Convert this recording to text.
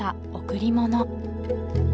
贈り物